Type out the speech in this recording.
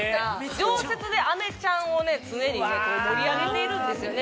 常設でアメちゃんを常に盛り上げているんですよね。